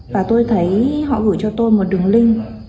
và tôi thấy họ gửi cho tôi một đường link